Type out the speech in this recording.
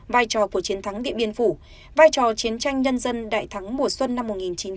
vai trò của chiến thắng điện biên phủ vai trò chiến tranh nhân dân đại thắng mùa xuân năm một nghìn chín trăm bảy mươi